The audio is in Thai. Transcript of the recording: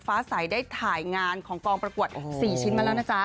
ฟ้าใสได้ถ่ายงานของกองประกวด๔ชิ้นมาแล้วนะจ๊ะ